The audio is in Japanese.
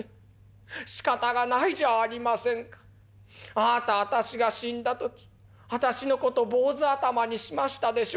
あなた私が死んだ時私の事坊主頭にしましたでしょ？」。